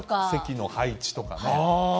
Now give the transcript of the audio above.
席の配置とかね。